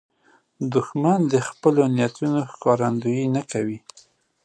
دښمن د خپلو نیتونو ښکارندویي نه کوي